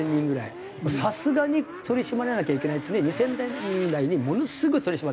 さすがに取り締まらなきゃいけないっていうんで２０００年代にものすごい取り締まった。